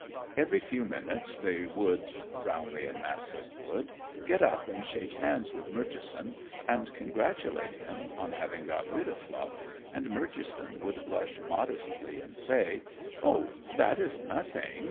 Every few minutes they would Brownlee and Massett would get up and shake hands with Murchison, and congratulate him on having gotten rid of Fluff, and Murchison would blush modestly and say: "Oh, that is nothing!